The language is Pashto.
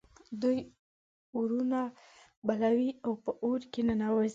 دوی اورونه بلوي او په اور کې ننوزي.